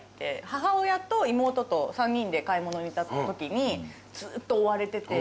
母親と妹と３人で買い物に行ったときにずっと追われてて。